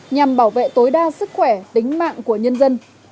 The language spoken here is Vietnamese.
nhằm bảo vệ tối đa sức khỏe tính mạng của nhân dân